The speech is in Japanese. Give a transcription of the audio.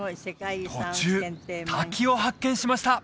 途中滝を発見しました